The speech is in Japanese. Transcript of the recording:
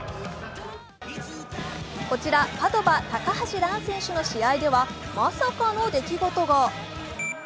こちら、パドヴァ・高橋藍選手の試合ではまさかの出来事が。